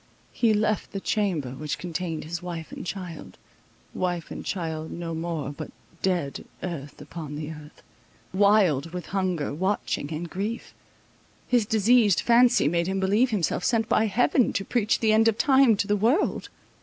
He left the chamber which contained his wife and child—wife and child no more, but "dead earth upon the earth"—wild with hunger, watching and grief, his diseased fancy made him believe himself sent by heaven to preach the end of time to the world.